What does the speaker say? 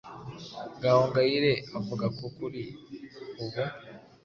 Gahongayire avuga ko kuri ubu